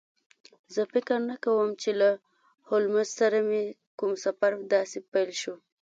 زه فکر نه کوم چې له هولمز سره مې کوم سفر داسې پیل شو